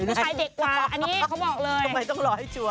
ผู้ชายเด็กกว่าอันนี้เขาบอกเลยทำไมต้องรอให้ชัวร์